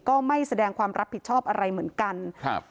ก็ไม่แสดงความรับผิดชอบอะไรเหมือนกันครับ